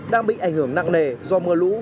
đang bị ảnh hưởng nặng nề do mưa lũ